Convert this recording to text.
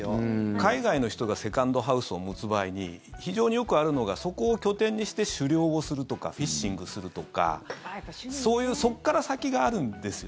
海外の人がセカンドハウスを持つ場合に非常によくあるのがそこを拠点にして狩猟をするとかフィッシングするとかそういうそこから先があるんですよ。